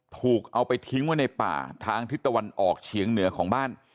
ถูกเอาไปทิ้งไว้ในป่าทางทิศตะวันออกเฉียงเหนือของบ้าน